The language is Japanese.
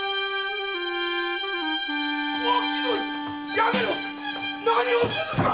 やめろ‼何をするか！